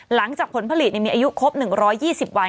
หลังจากผลผลิตมีอายุครบ๑๒๐วัน